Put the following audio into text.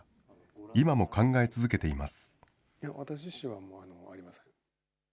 今も考え続けています。